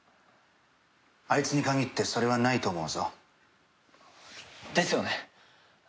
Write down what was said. あいつに限ってそれはないと思うぞ。ですよね。